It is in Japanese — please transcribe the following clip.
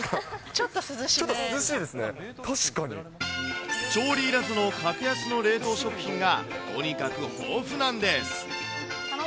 ちょっと涼しいですね、調理いらずの格安の冷凍食品が、とにかく豊富なんです。